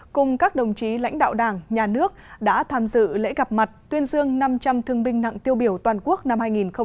cùng các đồng chí lãnh đạo đảng nhà nước đã tham dự lễ gặp mặt tuyên dương năm trăm linh thương binh nặng tiêu biểu toàn quốc năm hai nghìn một mươi chín